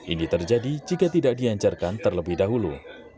ini terjadi jika tidak dihancurkan terlebih dahulu